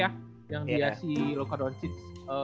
yang dia si luka don cis